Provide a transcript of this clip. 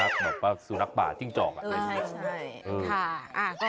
อาจจะบอกว่าสุนัขป่าจะจิ้งจอก